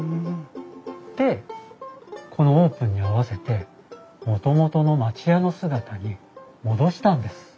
でこのオープンに合わせてもともとの町家の姿に戻したんです。